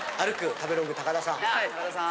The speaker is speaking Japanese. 食べログ田さん。